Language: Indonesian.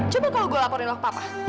coba kalau saya melapor kamu ke papa